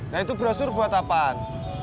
nah itu brosur buat apaan